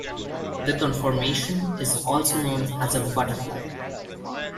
The conformation is also known as a "butterfly".